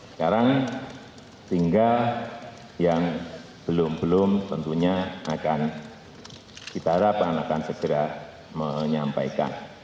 sekarang tinggal yang belum belum tentunya akan kita harapkan akan segera menyampaikan